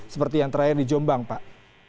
seperti yang terakhir di jombang pak